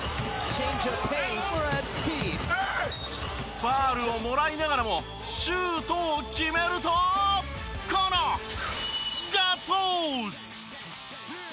ファウルをもらいながらもシュートを決めるとこのガッツポーズ！